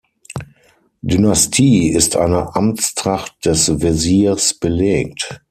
Dynastie ist eine Amtstracht des Wesirs belegt.